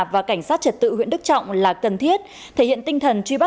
và cảnh sát trật tự huyện đức trọng là cần thiết thể hiện tinh thần truy bắt